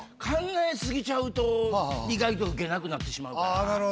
考えすぎちゃうと意外とウケなくなってしまうから。